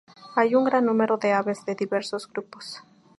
Hay un gran número de aves de diversos grupos.